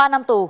ba năm tù